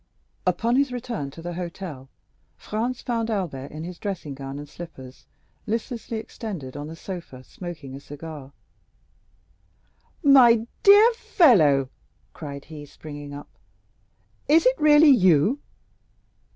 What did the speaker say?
Upon his return to the hotel, Franz found Albert in his dressing gown and slippers, listlessly extended on a sofa, smoking a cigar. "My dear fellow!" cried he, springing up, "is it really you?